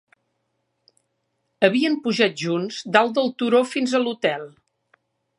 Havien pujat junts dalt del turó fins a l'hotel.